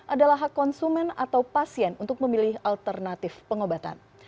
adalah hak konsumen atau pasien untuk memilih alternatif pengobatan